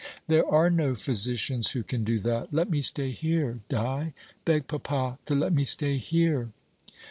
"There are no physicians who can do that. Let me stay here, Di. Beg papa to let me stay here."